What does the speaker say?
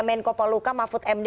menko paluka mahfud md